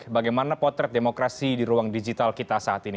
bagaimana potret demokrasi di ruang digital kita saat ini